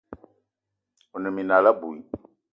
One minal abui.